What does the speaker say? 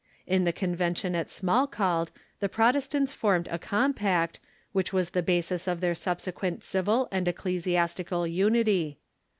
In the Convention at Smalcald the Protestants formed a compact, which Avas the basis of their subsequent civil and ecclesiastical unit}'.